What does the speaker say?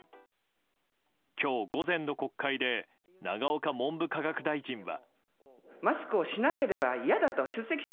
今日午前の国会で永岡文部科学大臣は。